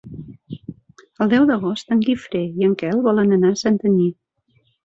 El deu d'agost en Guifré i en Quel volen anar a Santanyí.